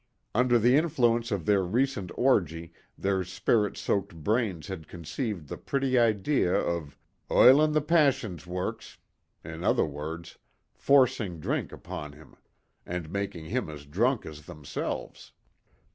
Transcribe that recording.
Under the influence of their recent orgy their spirit soaked brains had conceived the pretty idea of "ilin' the passon's works"; in other words, forcing drink upon him, and making him as drunk as themselves.